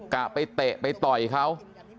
กะไปเตะไปต่อยเขา